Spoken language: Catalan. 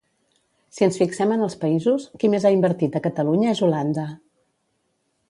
Si ens fixem en els països, qui més ha invertit a Catalunya és Holanda.